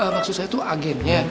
maksud saya tuh agennya